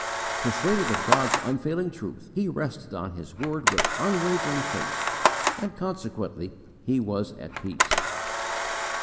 Persuaded of God's unfailing truth, he rested on His word with unwavering faith, and consequently he was at peace.